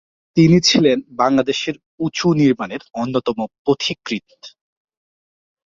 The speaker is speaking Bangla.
তিনি ছিলেন বাংলাদেশের উঁচু নির্মাণের অন্যতম পথিকৃৎ।